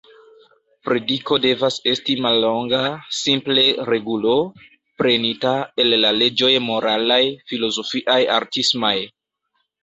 Prediko devas esti mallonga: simple regulo, prenita el la leĝoj moralaj, filozofiaj, artismaj.